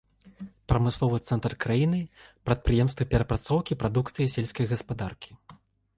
Прамысловы цэнтр краіны, прадпрыемствы перапрацоўкі прадукцыі сельскай гаспадаркі.